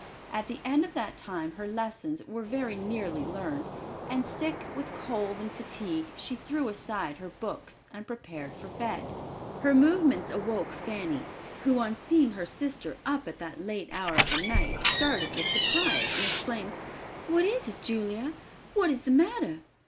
At the end of that time her lessons were very nearly learned, and sick with cold and fatigue, she threw aside her books and prepared for bed. Her movements awoke Fanny, who, on seeing her sister up at that late hour of the night, started with surprise, and exclaimed, "What is it, Julia? What is the matter?"